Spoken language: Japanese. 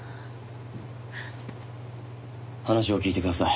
話を聞いてください。